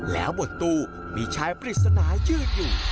แล้วบนตู้มีชายปริศนายืนอยู่